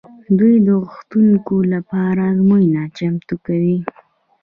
دوی د غوښتونکو لپاره ازموینه چمتو کوي.